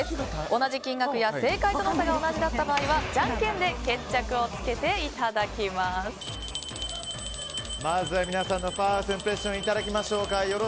同じ金額や正解との差が同じだった場合はじゃんけんでまずは皆さんのファーストインプレッションいただきましょう。